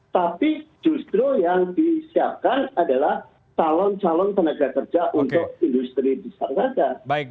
tapi justru yang disiapkan adalah calon calon tenaga kerja untuk industri besar saja